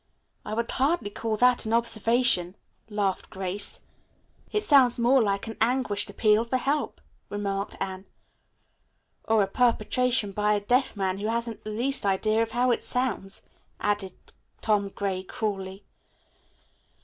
"I would hardly call that an observation," laughed Grace. "It sounds more like an anguished appeal for help," remarked Anne. "Or a perpetration by a deaf man who hasn't the least idea of how it sounds," added Tom Gray cruelly.